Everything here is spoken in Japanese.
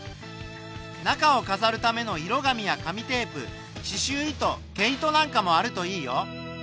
中をかざるための色紙や紙テープししゅう糸毛糸なんかもあるといいよ。